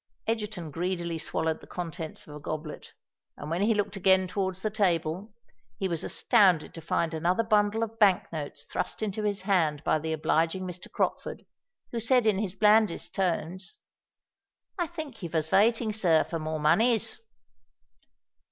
Egerton greedily swallowed the contents of a goblet; and when he looked again towards the table, he was astounded to find another bundle of Bank notes thrust into his hand by the obliging Mr. Crockford, who said in his blandest tones, "I think you vas vaiting, sir, for more monies."